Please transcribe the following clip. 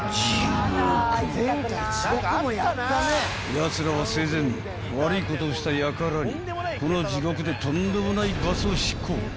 ［やつらは生前悪いことをしたやからにこの地獄でとんでもない罰を執行］